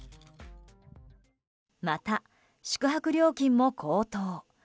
また、宿泊料金も高騰。